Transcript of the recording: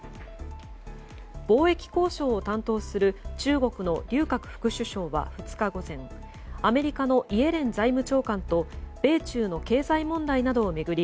貿易交渉を担当する中国のリュウ・カク副首相は２日午前アメリカのイエレン財務長官と米中の経済問題などを巡り